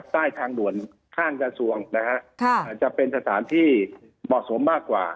ใต้ทางด่วนข้างกระทรวงนะฮะจะเป็นสถานที่เหมาะสมมากกว่า